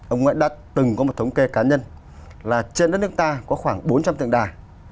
ông nguyễn đã từng có một thống kê cá nhân là trên đất nước ta có khoảng bốn trăm linh tượng đài